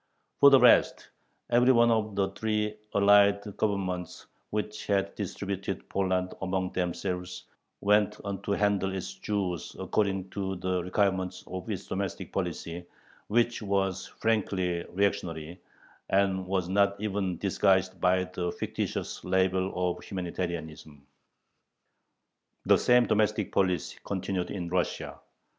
For the rest, every one of the three allied Governments which had distributed Poland among themselves went on to handle "its" Jews according to the requirements of its domestic policy, which was frankly reactionary, and was not even disguised by the fictitious label of humanitarianism. The same domestic policy continued in Russia.